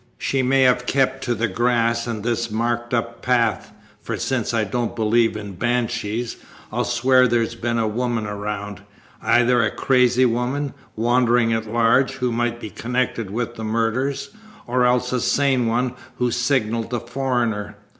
She may have kept to the grass and this marked up path, for, since I don't believe in banshees, I'll swear there's been a woman around, either a crazy woman, wandering at large, who might be connected with the murders, or else a sane one who signalled the foreigner.